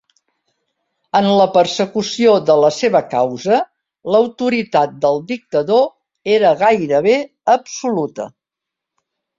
En la persecució de la seva "causa", l'autoritat del dictador era gairebé absoluta.